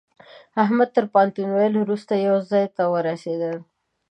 احمد تر پوهنتون ويلو روسته يوه ځای ته ورسېدل.